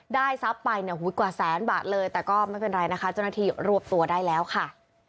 ทรัพย์ไปเนี่ยกว่าแสนบาทเลยแต่ก็ไม่เป็นไรนะคะเจ้าหน้าที่รวบตัวได้แล้วค่ะ